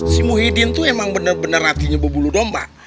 si muhyiddin itu emang bener bener hatinya bebulu domba